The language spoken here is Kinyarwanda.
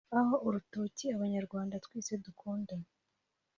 aho urutoki Abanyarwanda twese dukunda